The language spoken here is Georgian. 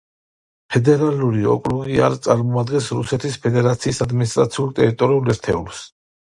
ფედერალური ოკრუგი არ წარმოადგენს რუსეთის ფედერაციის ადმინისტრაციულ-ტერიტორიულ ერთეულს.